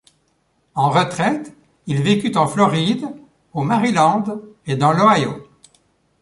En retraite, il vécut en Floride, au Maryland et dans l'Ohio.